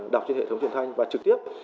đọc trên hệ thống truyền thanh và trực tiếp